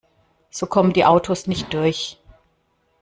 So kommen die Autos nicht durch.